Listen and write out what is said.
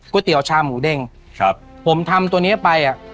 เตี๋ยวชาหมูเด้งครับผมทำตัวเนี้ยไปอ่ะ